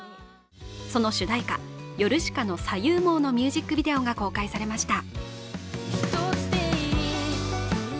その主題歌ヨルシカの「左右盲」のミュージックビデオが公開されました。